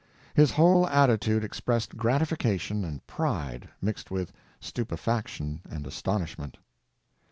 His whole attitude expressed gratification and pride mixed with stupefaction and astonishment.